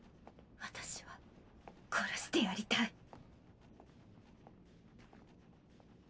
私は殺してやりたい。